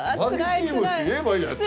佐々木チームって言えばいいじゃん。